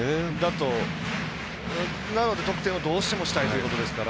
得点をどうしてもしたいということですから。